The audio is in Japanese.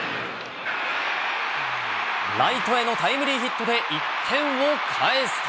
ライトへのタイムリーヒットで、１点を返すと。